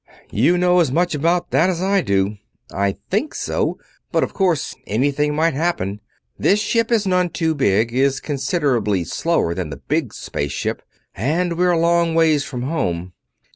"You know as much about that as I do. I think so, but of course anything might happen. This ship is none too big, is considerably slower than the big space ship, and we're a long ways from home.